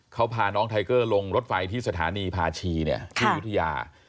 เขาพาน้องไทเกอร์ลงรถไฟที่สถานีพาชีที่ยุธยา